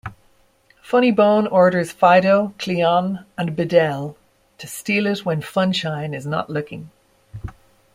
Funnybone orders Phido, Cleon, and Bidel to steal it when Funshine is not looking.